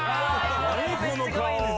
何この顔。